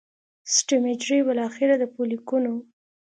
سټیم حجرې بالاخره د فولیکونو